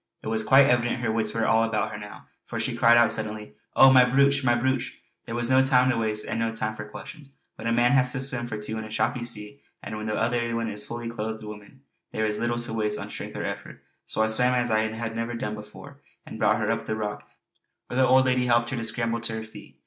It was quite evident her wits were all about her now for she cried out suddenly: "Oh, my brooch! my brooch!" There was no time to waste and no time for questions. When a man has to swim for two in a choppy sea, and when the other one is a fully clothed woman, there is little to waste of strength or effort. So I swam as I had never done, and brought her up to the rock where the old lady helped her to scramble to her feet.